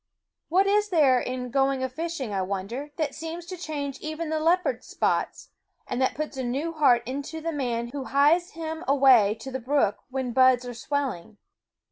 What is there in going a fishing, I wonder, that seems to change even the leopard's spots, and that puts a new heart into the man who hies him away to the brook when buds are swelling?